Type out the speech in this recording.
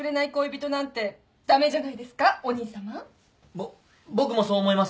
ぼっ僕もそう思います。